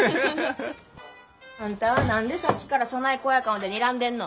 あんたは何でさっきからそない怖い顔でにらんでんの。